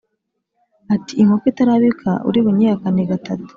ati “Inkoko itarabika uri bunyihakane gatatu.”